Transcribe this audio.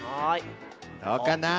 どうかな？